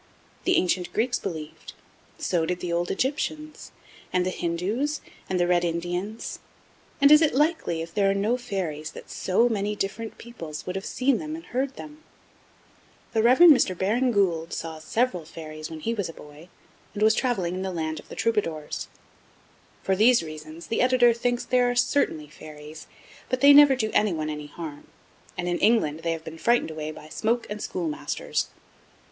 The ancient Greeks believed, so did the old Egyptians, and the Hindoos, and the Red Indians, and is it likely, if there are no fairies, that so many different peoples would have seen and heard them? The Rev. Mr. Baring Gould saw several fairies when he was a boy, and was travelling in the land of the Troubadours. For these reasons, the Editor thinks that there are certainly fairies, but they never do anyone any harm; and, in England, they have been frightened away by smoke and schoolmasters.